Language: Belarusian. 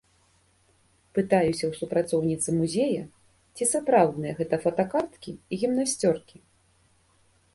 Пытаюся ў супрацоўніцы музея, ці сапраўдныя гэта фотакарткі і гімнасцёркі?